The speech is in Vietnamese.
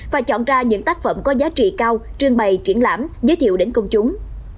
và chọn ra những tác phẩm có giá trị cao trương bày triển lãm giới thiệu đến công chúng